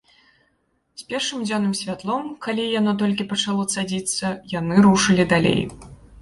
З першым дзённым святлом, калі яно яшчэ толькі пачало цадзіцца, яны рушылі далей.